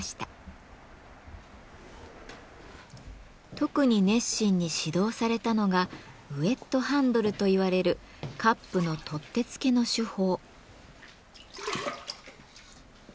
特に熱心に指導されたのが「ウエットハンドル」といわれるカップの取っ手付けの手法。